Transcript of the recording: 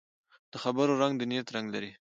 د خبرو رنګ د نیت رنګ لري